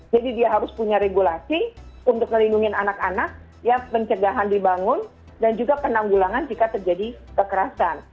jadi dia harus punya regulasi untuk melindungi anak anak yang pencegahan dibangun dan juga penanggulangan jika terjadi kekerasan